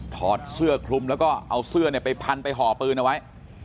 ถอดเสื้อคลุมแล้วก็เอาเสื้อไปพันไปห่อปืนเอาไว้